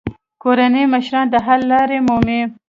کورني مشران د حل لارې مومي.